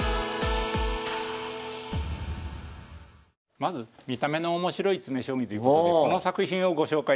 まず見た目のおもしろい詰将棋ということでこの作品をご紹介いたします。